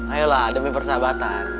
ayolah demi persahabatan